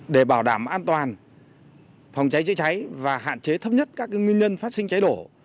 để bảo đảm an toàn phòng cháy chữa cháy và hạn chế thấp nhất các nguyên nhân phát sinh cháy đổ